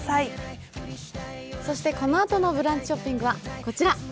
そして、このあとの「ブランチショッピング」はこちら！